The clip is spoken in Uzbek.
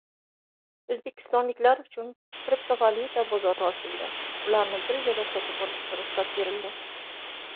O‘zbekistonliklar uchun kriptovaluta bozori ochildi: ularni birjada sotib olishga ruxsat berildi